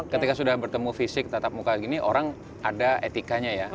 ketika sudah bertemu fisik tetap muka gini orang ada etikanya ya